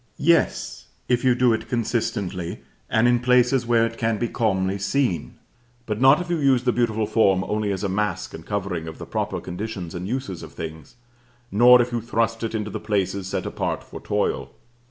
Yes, if you do it consistently, and in places where it can be calmly seen; but not if you use the beautiful form only as a mask and covering of the proper conditions and uses of things, nor if you thrust it into the places set apart for toil.